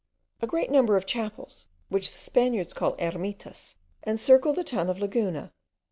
A great number of chapels, which the Spaniards call ermitas, encircle the town of Laguna.